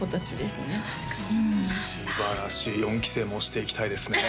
すばらしい４期生も推していきたいですね